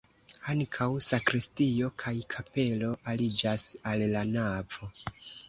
Ankaŭ sakristio kaj kapelo aliĝas al la navo.